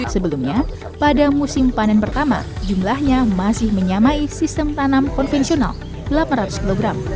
sebelumnya pada musim panen pertama jumlahnya masih menyamai sistem tanam konvensional delapan ratus kg